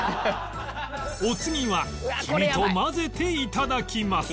お次は黄身と混ぜていただきます